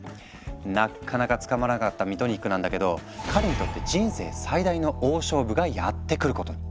なっかなか捕まらなかったミトニックなんだけど彼にとって人生最大の大勝負がやって来ることに。